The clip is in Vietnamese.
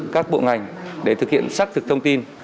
các bộ ngành để thực hiện xác thực thông tin